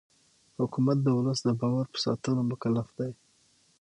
حکومت د ولس د باور په ساتلو مکلف دی